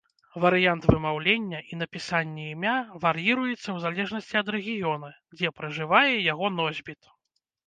Варыянт вымаўлення і напісанні імя вар'іруецца ў залежнасці ад рэгіёна, дзе пражывае яго носьбіт.